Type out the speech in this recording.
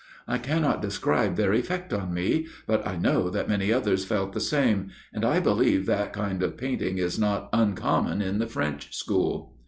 I cannot describe their effect on me ; but I know that many others felt the same, and I believe that kind of painting is not uncommon in the French School."